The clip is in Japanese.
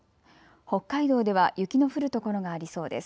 北海道では雪の降る所がありそうです。